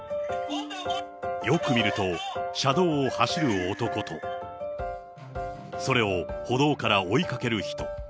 よく見ると車道を走る男と、それを歩道から追いかける人。